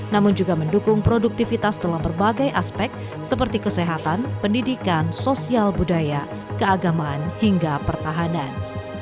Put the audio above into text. namun juga mendukung produktivitas dalam berbagai aspek seperti kesehatan pendidikan sosial budaya keagamaan hingga pertahanan